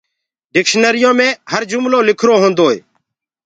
ڊڪشنٚريو مي هر جُملولکرو هونٚدوئي